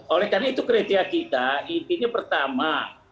oleh karena itu kriteria kita intinya pertama